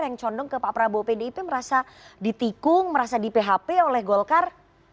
yang condong ke pak prabowo pdip merasa ditikung merasa di php oleh golkar